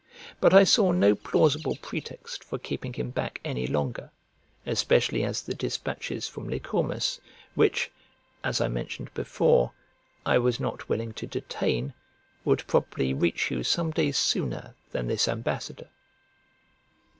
But I saw no plausible pretext for keeping him back any longer, especially as the despatches from Lycormas, which (as I mentioned before) I was not willing to detain, would probably reach you some days sooner than this ambassador.